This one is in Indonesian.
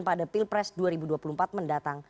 pada pilpres dua ribu dua puluh empat mendatang